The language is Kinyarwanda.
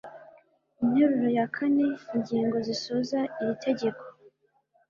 interuro ya kane ingingo zisoza iritegeko